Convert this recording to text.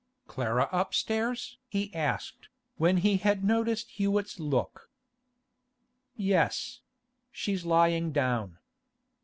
'Clara upstairs?' he asked, when he had noticed Hewett's look. 'Yes; she's lying down.